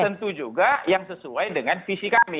tentu juga yang sesuai dengan visi kami